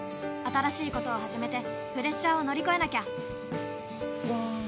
新しいことを始めてプレッシャーを乗り越えなきゃ